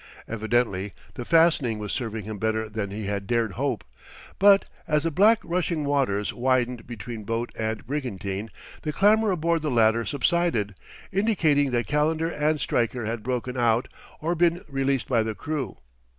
Evidently the fastening was serving him better than he had dared hope. But as the black rushing waters widened between boat and brigantine, the clamor aboard the latter subsided, indicating that Calendar and Stryker had broken out or been released by the crew.